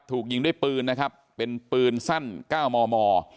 ถูกยิงด้วยปืนนะครับเป็นปืนสั้น๙มม